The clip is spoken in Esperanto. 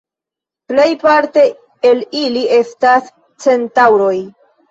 Plejparte el ili estas Centaŭroj.